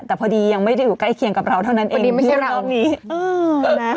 แต่พอดียังไม่ได้อยู่ใกล้เคียงกับเราเท่านั้นเองพอดีไม่ใช่เรานี่เออแล้ว